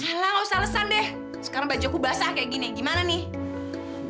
alah nggak usah alesan deh sekarang baju aku basah kayak gini gimana nih